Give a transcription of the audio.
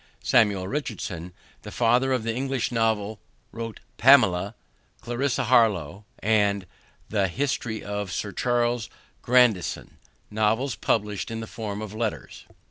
Samuel Richardson, the father of the English novel, wrote Pamela, Clarissa Harlowe, and the History of Sir Charles Grandison, novels published in the form of letters.